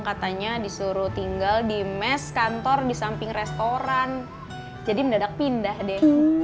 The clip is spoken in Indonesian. katanya disuruh tinggal di mes kantor di samping restoran jadi mendadak pindah deh